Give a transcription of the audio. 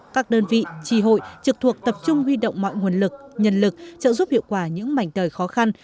các đơn vị trì hội trực thuộc tập trung huy động mọi nguồn lực nhân lực trợ giúp hiệu quả những mảnh đời khó khăn